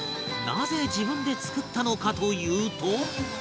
なぜ自分で作ったのかというと